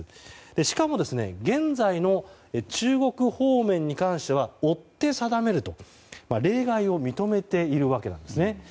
しかも現在の中国方面に関しては追って定めると例外を認めているわけなんですね。